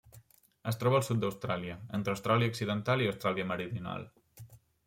Es troba al sud d'Austràlia: entre Austràlia Occidental i Austràlia Meridional.